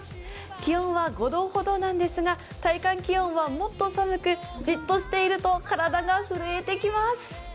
気温は５度ほどなんですが、体感気温はもっと寒く、じっとしていると体が震えてきます。